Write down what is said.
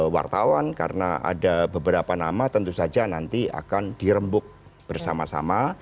wartawan karena ada beberapa nama tentu saja nanti akan dirembuk bersama sama